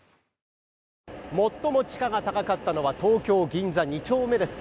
最も地価が高かったのは東京・銀座２丁目です。